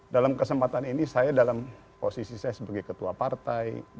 dalam kesempatan ini saya dalam posisi saya sebagai ketua partai